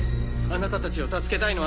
あなたたちを助けたいの。